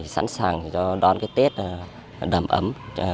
sẵn sàng đón tết đầm ấm